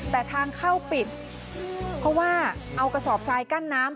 แต่ทางเข้าปิดเพราะว่าเอากระสอบทรายกั้นน้ำ